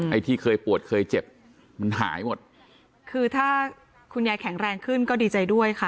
ไอ้ที่เคยปวดเคยเจ็บมันหายหมดคือถ้าคุณยายแข็งแรงขึ้นก็ดีใจด้วยค่ะ